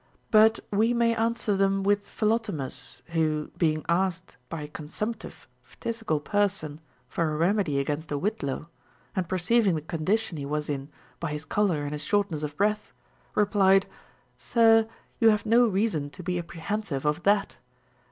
But we may answer them with Philotimus, who, being asked by a consumptive phthisical person for a remedy against a whitlow, and perceiving the condition he was in by his color and his shortness of breath, replied, Sir, you have no reason to be apprehensive of that.